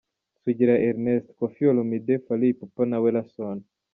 Sugira Ernest: Koffi Olomide, Fally Ipupa na Wellason.